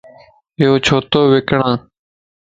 ايو ڇو تو وڪڻ؟